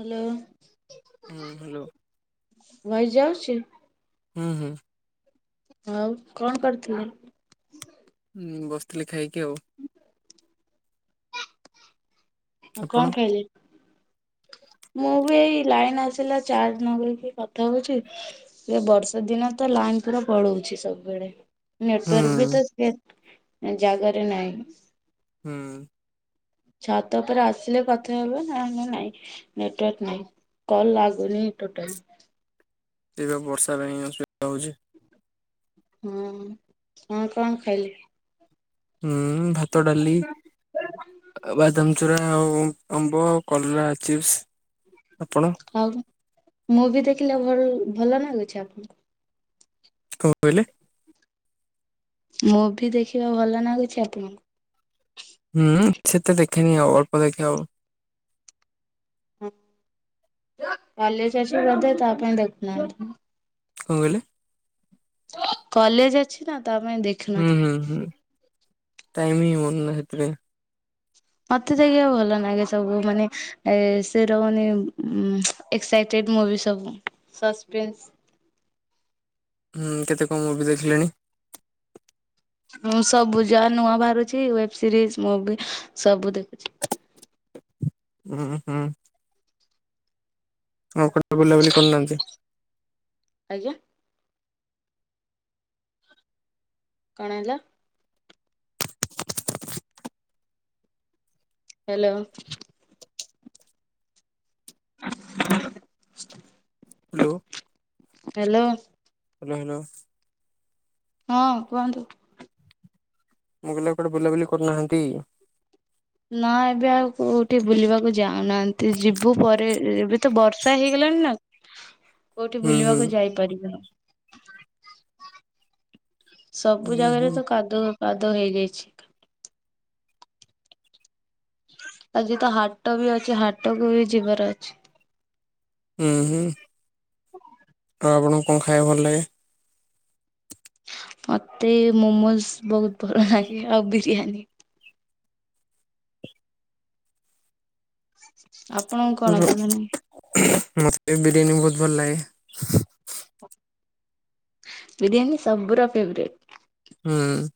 Hello. ହୁଁ hello. Voice ଯାଉଚି? ହୁଁ- ହୁଁ। ଆଉ କଣ କରିଥିଲେ? ଉଁ- ବସିଥିଲି ଖାଇକି ଆଉ। ଆଉ ଆପଣ? କଣ ଖାଇଲେ? ମୁଁ ବି ଏଇ ଲାଇନ୍ ଆସିଲା ଚାର୍ଜ ନଗେଇକି କଥା ହଉଚି। ସେ ବର୍ଷା ଦିନ ତ ଲାଇନ୍ ପୁରା ପଳଉଚି ସବୁବେଳେ। ହୁଁ ନେଟୱାର୍କ୍ ବି ତ ସେ ଜାଗାରେ ନାହିଁ। ହୁଁ। ଛାତ ଉପରେ ଆସିଲେ କଥା ହେବ ନ ହେଲେ ନାଇଁ ନେଟୱାର୍କ ନାଇଁ। କଲ୍ ଲାଗୁନି ଟୋଟାଲ୍। ଏଇ ବା ବର୍ଷା ପାଇଁ ଅସୁବିଧା ହଉଚି। ହୁଁ କଣ କଣ ଖାଇଲେ? ହୁଁ ଭାତ, ଡାଲି ଆଉ ବାଦାମ୍ ଚୁରା ଆଉ ଆମ୍ବ ଆଉ କଲରା ଚିପ୍ସ୍। ଆଉ ମୁଭି ଦେଖିଲେ ଭଲ୍- ଭଲ ନାଗୁଚି ଆପଣଙ୍କୁ? କଣ କହିଲେ? ମୁଭି ଦେଖିବାକୁ ଭଲ ନାଗୁଚି ଆପଣଙ୍କୁ? ହୁଁ ସେତେ ଦେଖେନି ଆଉ ଅଳ୍ପ ଦେଖେ ଆଉ। [unintelligible] ବଧେ ତା ପାଇଁ ଦେଖୁନାହାନ୍ତି। କଣ୍ କହିଲେ? କଲେଜ୍ ଅଛି ନା ତା ପାଇଁ ଦେଖ୍ ହୁଁ- ହୁଁ -ହୁଁ ଟାଇମ୍ ହିଁ ହଉନି ନା ହେତିପାଇଁ। ମତେ [unintelligible] ଭଲ ଲାଗେ ସବୁ ମାନେ ଏ ସେ ରହୁନି ଉଁ ଏକ୍ସାଇଟେଡ୍ ମୁଭି ସବୁ ସସ୍ପେନ୍ସ୍ ଉଁ- କେତେ କଣ ମୁଭି ଦେଖିଲେଣି? ମୁଁ ସବୁ ଯାହା ନୂଆ ବାହାରୁଚି ୱେବ୍ ସିରିଜ୍ ମୁଭି ସବୁ ଦେଖୁଚି। ଉଁ -ହୁଁ। ଆଉ କୁଆଡେ ବୁଲାବୁଲି କରୁନାହାନ୍ତି। ଆଜ୍ଞା। କଣ ହେଲା? Hello. [inaudible] Hello. Hello. Hello- hello. ହଁ କୁହନ୍ତୁ। ମୁଁ କହିଲି ଆଉ କୁଆଡ଼େ ବୁଲାବୁଲି କରୁନାହାନ୍ତି। ନା ଏବେ ଆଉ କୋଉଠି ବୁଲିବାକୁ ଯାଉନାହାନ୍ତି ଯିବୁ ପରେ ଏବେ ତ ବର୍ଷା ହେଇଗଲାଣି ନା। କୋଉଠି ହୁଁ ହୁଁ ବୁଲିବାକୁ ଯାଇପାରିବୁନୁ। ହୁଁ ସବୁ ଜାଗାରେ ହୁଁ ତ କାଦୁଅ କାଦୁଅ ହେଇଯାଇଛି। ଆଜି ତ ହାଟ ବି ଅଛି ହାଟକୁ ବି ଯିବାର ଅଛି। ଉଁ ହୁଁ। [inaudible] ତ ଆପଣଙ୍କୁ କଣ ଖାଇବାକୁ ଭଲ ଲାଗେ? ମତେ ମୋମୋଜ ବହୁତ ଭଲ ଲାଗେ ଆଉ ବିରିୟାନୀ। ଆପଣଙ୍କୁ କଣ ଭଲ ଲାଗେ? ମୋତେ ବିରିୟାନୀ ବହୁତ ଭଲ ଲାଗେ। ବିରିୟାନୀ ସବୁର ଫେବରେଟ୍। ହୁଁ।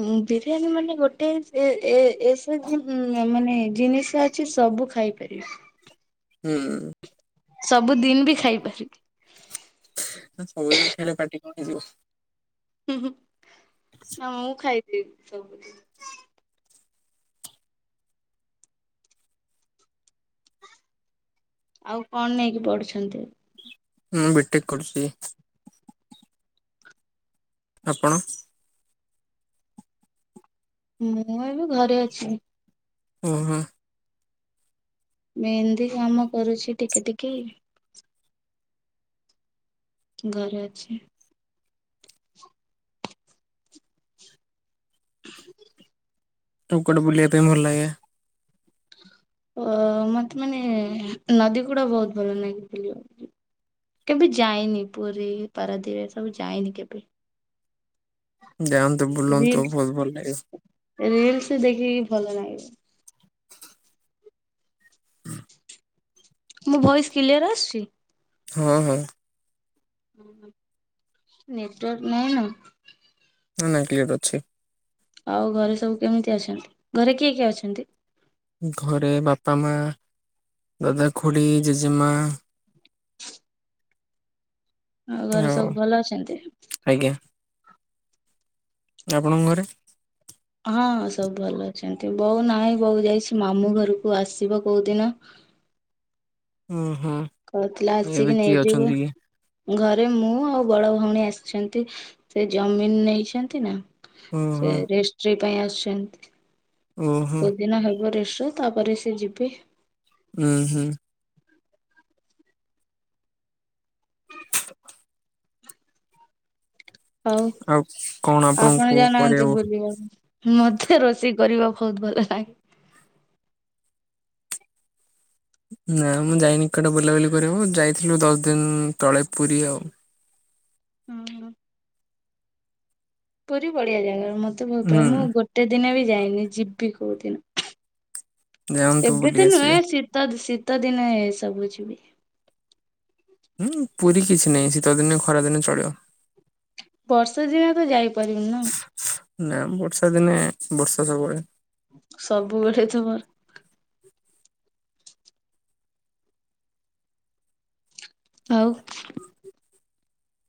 ଉଁ ବିରିୟାନୀ ମାନେ ଗୋଟେ ଏ ଏ ଏସବୁ ମାନେ ଜିନିଷ କିଛି ସବୁ ଖାଇପାରିବି। ହୁଁ। ସବୁ ଦିନ ବି ଖାଇପାରିବି। ନାଁ ସବୁଦିନ୍ ଖାଇଲେ ପାଟି କଣ ହେଇଯିବ। ନାଁ ମୁଁ ଖାଇଦେବି ସବୁ ଦିନ୍। ଆଉ କଣ ନେଇକି ପଢୁଛନ୍ତି? ମୁଁ ବିଟେକ୍ କରୁଛି। ଆପଣ? ମୁଁ ଏବେ ଘରେ ଅଛି। ଉଁ ହୁଁ। ମେହେନ୍ଦି କାମ କରୁଛି ଟିକେ ଟିକେ। ଘରେ ଅଛି। [unintelligible] ଆଉ କୁଆଡେ ବୁଲିବା ପାଇଁ ଭଲ ଲାଗେ? ଅ ମତେ ମାନେ ନଦୀ ଗୁଡା ବହୁତ ଭଲ ଲାଗେ ବୁଲିବାକୁ। କେବେ ଯାଇନି ପୁରୀ ପାରାଦ୍ୱୀପ୍ ଏ ସବୁ ଯାଇନି କେବେ। ଯାଆନ୍ତୁ ବୁଲନ୍ତୁ ବହୁତ ଭଲ ଲାଗିବ। ରିଲ୍‌ସି ଦେଖିକି ଭଲ ଲାଗେ। ମୋ ଭଏସ୍‌ କିଲିୟର ଆସୁଛି? ହଁ ହଁ। ନେଟୱର୍କ ନାହିଁ ନା। ନାଁ ନାଁ କ୍ଲିୟର ଅଛି। ଆଉ ଘରେ ସବୁ କେମିତି ଅଛନ୍ତି ଘରେ କିଏ କିଏ ଅଛନ୍ତି? ଘରେ ବାପା ମା ଦାଦା ଖୁଡ଼ି ଜେଜେମା। ଆଉ ଘରେ ସବୁ ଭଲ ଅଛନ୍ତି? ଆଜ୍ଞା। ଆପଣଙ୍କ ଘରେ? ହଁ ସବୁ ଭଲ ଅଛନ୍ତି ବୋଉ ନାହିଁ ବୋଉ ଯାଇଛି ମାମୁଁ ଘରକୁ ଆସିବ କୋଉ ଦିନ। ହୁଁ ହୁଁ। କହୁଥିଲା ଆସିକି ନେଇଯିବୁ। ଘରେ ମୁଁ ଆଉ ବଡ ଭଉଣୀ ଆସିଛନ୍ତି ସେ ଜମିିନ୍ ନେଇଛନ୍ତି ନା। ସେ ଓହୋ ରେଷ୍ଟ୍ରି ପାଇଁ ଆସିଛନ୍ତି ଓହୋ କୋଉଦିନ ହେବ ରେଷ୍ଟ୍ରି? ତାପରେ ସେ ଯିବେ। ଉ ହୁଁ। [unintelligible] ହଉ ଆଉ କଣ ଆପଣ ଆପଣଙ୍କୁ ଯାଉନାହାନ୍ତି କରିବାକୁ ବୁଲିବାକୁ? ମତେ ରୋଷେଇ କରିବା ବହୁତ୍ ଭଲ ଲା ନା ମୁଁ ଯାଇନି କୁଆଡେ ବୁଲାବୁଲି କରିବା ଯାଇଥିଲୁ ଦଶ ଦିନି ତଳେ ପୁରୀ ଆଉ। ଉଁ ହୁଁ। ପୁରୀ ବଢିଆ ଜାଗା ମତେ ବହୁତ୍ ଭ ହୁଁ। ମୁଁ ଗୋ ଟେ ଦିନ ବି ଯାଇନି ଯିବି କୋଉ ଦିନ ଯାଆନ୍ତୁ ବୁଲି ଆସିବେ ତ ଶୀତ ଦିନେ ସବୁ ଯିବି। ହୁଁ ପୁରୀ କିଛି ନାଇଁ ଶୀତ ଦିନେ ଖରାଦିନେ ଚଳିବ। ବର୍ଷା ଦିନେ ତୁ ଯାଇପାରିବୁନି ନ ନା ବର୍ଷା ଦିନେ ବର୍ଷା ସବୁବେଳେ। ସବୁବେଳେ ତୁମର୍ ଆଉ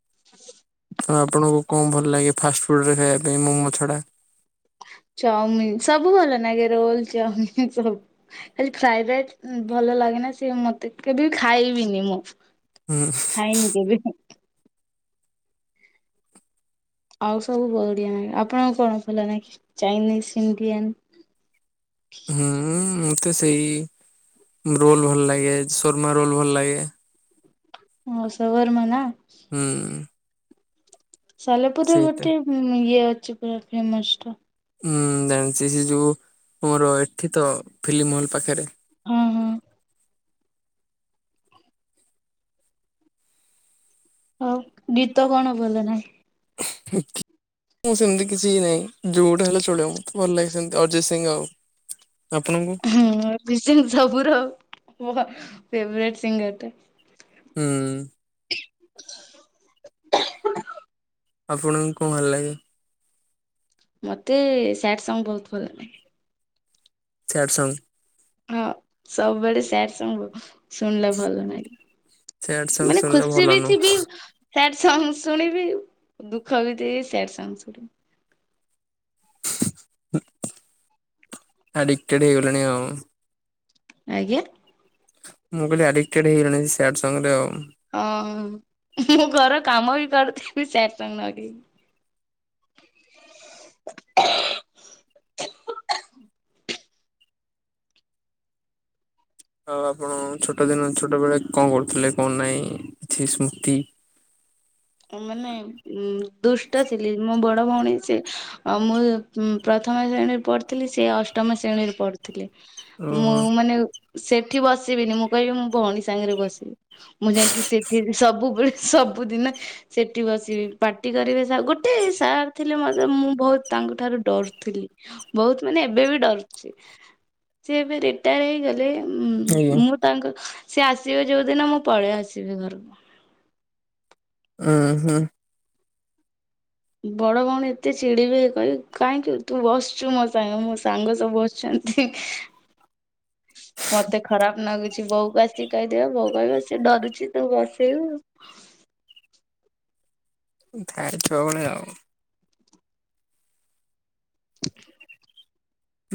[unintelligible] ତ ଆପଣଙ୍କୁ କଣ ଭଲ ଲାଗେ ଫାଷ୍ଟଫୁଡ୍ ରେ ଖାଇବା ପାଇଁ ମୋମୋ ଛଡ଼ା? ଚାଉମିିନ୍ ସବୁ ଭଲ ନାଗେ ରୋଲ ଚାଉମିନ୍ ସବୁ। ଖାଲି ଫ୍ରାଏଡ୍ ରାଇ ଭଲ ଲାଗେନା ସିଏ ମତେ କେବେ ବି ଖାଇବିନି ମୁଁ। ହୁଁ। ଖାଇନି କେବେ। ଆଉ ସବୁ ବଢିଆ ନାଗେ ଆପଣଙ୍କୁ କଣ ଭଲ ନାଗେ ଚାଇନିଜ୍ ଇଣ୍ଡିଆନ୍? [unintelligible] ହୁଁ ମତେ ସେଇ ରୋଲ୍ ଭଲ ଲାଗେ ଶୂର୍ମା ରୋଲ୍ ଭଲ ଲାଗେ। ହଁ ସବୋର୍ ମନା ହୁଁ। ସାଲେପୁରୁ ରେ ସେଇଟା ଗୋଟେ ଇଏ ଅଛି ପୁରା ଫେମସ୍ ଟା। ହୁଁ ଜାଣିଛି ସେ ଯୋଉ ପୋର ଏଠି ତ ଫିଲ୍ମ ହଲ୍ ପାଖେରେ। ହଁ ହଁ। ଆଉ ଗୀତ କଣ ଭଲ ନାଗେ? [unintelligible] ମୁଁ ସେମିତି କିଛି ନାଇଁ ଯୋଉଟା ହେଲେ ଚଳିବ ମତେ ଭଲ ଲାଗେ ସେମିତି ଅଯୟ ସିଂ ଆଉ। ଆପଣଙ୍କୁ [inaudible] ସବୁୁର ଫେବରେଟ ସିଙ୍ଗର ଟା। ହୁଁ। ଆପଣଙ୍କୁ କଁ ଭଲ ଲାଗେ? ମତେ ସ୍ୟାଡ୍ ସଙ୍ଗ୍ ବହୁତ ଭଲ ଲାଗେ। ସ୍ୟାଡ୍ ସଙ୍ଗ୍ ହଁ ସବୁବେଳେ ସ୍ୟାଡ୍ ସଙ୍ଗ୍ ଉ। ଶୁଣିଲେ ଭଲ ସ୍ୟାଡ ନାଗେ ସଙ୍ଗ ମାନେ ଶୁଣିଲେ ଖୁସି ଭଲ ବି ନୁହଁ। ଥିବି ସ୍ୟାଡ୍ ସଙ୍ଗ୍ ଶୁଣିବି ଦୁଃଖ ବି ଥିବି ସ୍ୟାଡ୍ ସଙ୍ଗ୍ ଶୁଣି ଆଡିକ୍ ଟେଡ୍ ହେଇଗଲେଣି ଆଉ। ଆଜ୍ଞା। ମୁଁ କହିଲି ଆଡିକ୍ ଟେଡ୍ ହେଇଗଲେଣି ସ୍ୟାଡ୍ ସଙ୍ଗରେ ଉ। ହଁ ମୁଁ ଘର କାମ ବି କରୁଥିବି ସ୍ୟାଡ ସଙ୍ଗ ଲଗେଇ। ଆଉ ଆପଣ ଛୋଟ ଦିନ ଛୋଟବେଳେ କଣ କରୁଥିଲେ କଣ ନାହିଁ କିଛି ସ୍ମୃତି? ମାନେ ଉଁ ଦୁଷ୍ଟ ଥିଲି ମୋ ବଡ ଭଉଣୀ ସି ଆଉ ମୁଁ ପ୍ରଥମ ଶ୍ରେଣୀରେ ପଢ଼ ଥିଲି ସେ ଅଷ୍ଟମ ଶ୍ରେଣୀରେ ପଢୁଥିଲେ। ଓହୋ ମୁଁ ମାନେ ସେଠି ବସିବିନି ମୁଁ କହିବି ମୁଁ ଭଉଣୀ ସାଙ୍ଗରେ ବସିବି। ମୁଁ ଯାଇକି ସେଥି ସବୁବେଳେ ସବୁଦିନେ ସେଠି ବସିବି ପାଟି କରିବେ ସା ଗୋଟେ ସାର୍ ଥିଲେ ମୋତେ ମୁଁ ବହୁତ ତାଙ୍କୁ ଠାରୁ ଡରୁଥିଲି। ବହୁତ ମାନେ ଏବେ ବି ଡରୁଛି। ସେ ଏବେ ରିଟାୟାର ହେଇଗଲେ। ହୁଁ ଆଜ୍ଞା ମୁଁ ତାଙ୍କ ସିଏ ଆସିବେ ଯୋଉଦିନ ମୁଁ ପଳେଇ ଆସିବି ଘରକୁ। ହଁ ହଁ। ବଡ ଭଉଣୀ ଏତେ ଚିଡିବେ କହିବେ କାହିଁକି ତୁ ବସିଛୁ ମୋ ସାଙ୍ଗେ ମୋ ସାଙ୍ଗ ସବୁ ବସିଛନ୍ତି। ମତେ ଖରାପ ଲାଗୁଛି ବୋଉକୁ ଆସି କହିଦେବ, ବୋଉ କହିବ ସେ ଡରୁଛି ତୁ ବସେଇବୁ। [inaudible] ଆଉ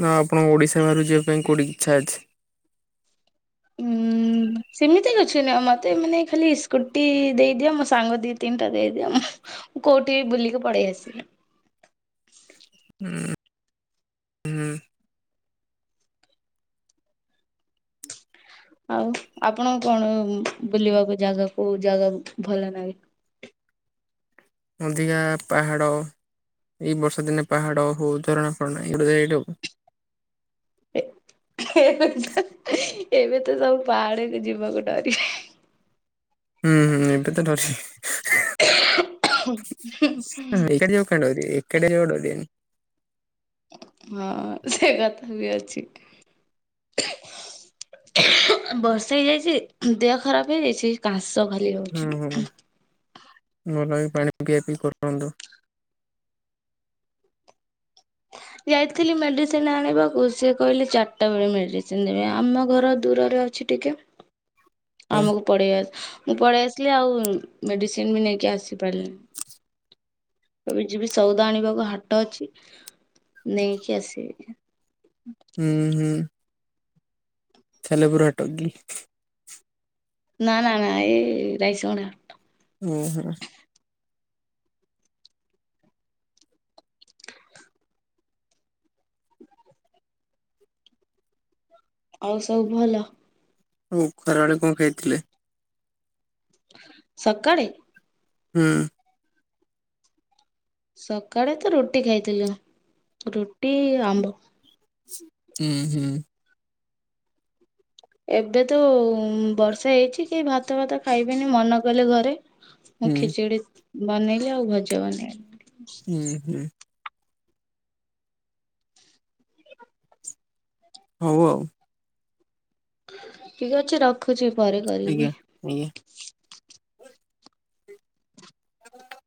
ନା ଆପଣଙ୍କୁ ଓଡ଼ିଶା ବାହାରୁ ଯିବା ପାଇଁ କୋଉଠି ଇଚ୍ଛା ଅଛି? ହୁଁ। ସେମିତି କିଛି ନାହିଁ ମତେ ମାନେ ଖାଲି ସ୍କୁଟି ଦେଇଦିଅ ମୋ ସାଙ୍ଗ ଦି ତିନିଟା ଦେଇଦିଅ। ମୁଁ କୋଉଠି ବି ବୁଲିକି ପଳେଇ ଆସିଲି। ହୁଁ। ହୁଁ। ଆଉ ଆପଣଙ୍କୁ କଣ ବୁଲିବାକୁ ଜାଗା କୋଉ ଜାଗା ଭଲ ଲାଗେ? ଅଧିକା ପାହାଡ଼ ଏଇ ବର୍ଷା ଦିନେ ପାହାଡ଼ ହଉ ଝରଣା ଫରଣା ଏଇଗୁଡ଼ା ଏଇଟା ଆଉ। ଏବେ ତ ସବୁ ପାହାଡକୁ ଯିବାକୁ ଡରିବେ। ହୁଁ ହୁଁ ତେତେ ଡରିବେ [unintelligible] ହୁଁ [unintelligible] ଡରିବେନି। ହଁ ସେ କଥା ବି ଅଛି। ବର୍ଷା ହେଇଯାଇଛି ଦେହ ଖରାପ ହେଇଯାଇଛି। କାଶ ଖାଲି ହୁଁ ହଉଛି। ହୁଁ ଭଲ କି ପାଣି ପିଆ ପିଇ କରନ୍ତୁ। ଯାଇଥିଲି ମେଡିସିନ ଆଣିବାକୁ ସିଏ କହିଲେ ଚାରିଟା ବେଳେ ମେଡିସିନ ଦେବେ। ଆମ ଘର ଦୂରରେ ଅ ଅଛି ଟିକେ। ଆମକୁ ପଳେଇ ମୁଁ ପଳେଇ ଆସିଲି ଆଉ ମେଡିସିନ ବି ନେଇକି ଆସିପାରିଲିନି। ଏବେ ଯିବି ସଉଦା ଆଣିବାକୁ ହାଟ ଅଛି ନେଇକି ଆସିବି। ହୁଁ ହୁଁ। ତାହେଲେ ପୁରା ଡଗି। ନା ନା ନା ଇଏ ରାଇସ [unintelligible] ହୁଁ ହୁଁ। ଆଉ ସବୁ ଭଲ? ଆଉ ଖରାବେଳେ କଣ ଖାଇଥିଲେ? ସକାଳେ? ହୁଁ। ସକାଳେ ତ ରୁଟି ଖାଇଥିଲୁ ରୁଟି ଆମ୍ବ। ହୁଁ ହୁଁ। ଏବେ ତ ଉଁ ବର୍ଷା ହେଇଛି କେହି ଭାତ ଭାତ ଖାଇବେନି ମନା କଲେ ଘରେ। ମୁଁ ହୁଁ ଖିଚିଡ଼ି ବନେଇଲି ଆଉ ଭଜା ବନେଇ ହୁଁ ହୁଁ। ହଉ ଆଉ। ଠିକ ଅଛି ରଖୁଛି ପରେ କରିବି। [unintelligible] ହ